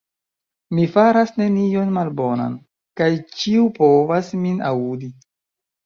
Mi faras nenion malbonan, kaj ĉiu povas min aŭdi.